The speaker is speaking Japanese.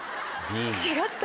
違った？